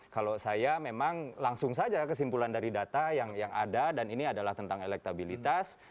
kalau saya memang langsung saja kesimpulan dari data yang ada dan ini adalah tentang elektabilitas